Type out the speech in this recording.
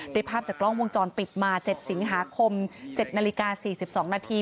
ภาพจากกล้องวงจรปิดมา๗สิงหาคม๗นาฬิกา๔๒นาที